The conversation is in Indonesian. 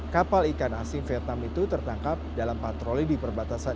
kapal ikan asing vietnam itu tertangkap dalam patroli di perbatasan